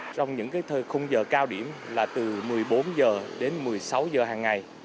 trong những khung giờ cao điểm là từ một mươi bốn h đến một mươi sáu h hàng ngày